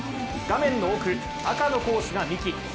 画面の奥、赤のコースが三木。